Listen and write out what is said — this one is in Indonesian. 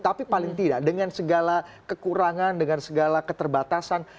tapi paling tidak dengan segala kekurangan dengan segala keterbatasan